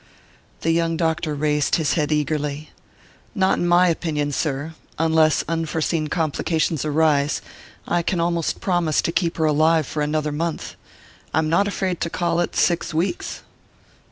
The young doctor raised his head eagerly. "Not in my opinion, sir. Unless unforeseen complications arise, I can almost promise to keep her alive for another month I'm not afraid to call it six weeks!"